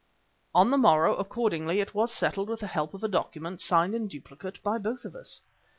On the morrow accordingly, it was settled with the help of a document, signed in duplicate by both of us.